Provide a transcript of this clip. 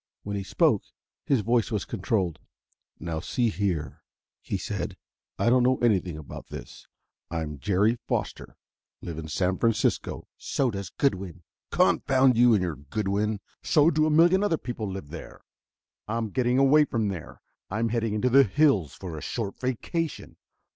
When he spoke, his voice was controlled. "Now, see here," he said: "I don't know anything about this. I'm Jerry Foster, live in San Francisco " "So does Goodwin." "Confound you and your Goodwin! So do a million other people live there! I'm getting away from there; I'm heading into the hills for a short vacation.